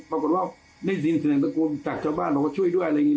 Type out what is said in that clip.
ปรากฏว่าได้ศีลสถานกรุมจากเจ้าบ้านบอกว่าช่วยด้วย